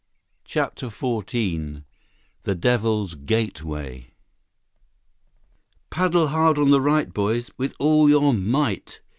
CHAPTER XIV The Devil's Gateway "Paddle hard on the right, boys—with all your might!"